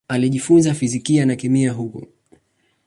Alijifunza fizikia na kemia huko.